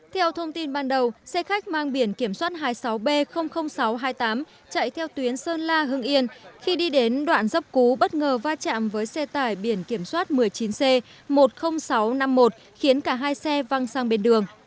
theo thông tin ban đầu xe khách mang biển kiểm soát hai mươi sáu b sáu trăm hai mươi tám chạy theo tuyến sơn la hưng yên khi đi đến đoạn dốc cú bất ngờ va chạm với xe tải biển kiểm soát một mươi chín c một mươi nghìn sáu trăm năm mươi một khiến cả hai xe văng sang bên đường